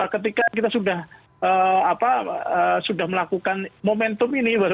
ketika kita sudah melakukan momentum ini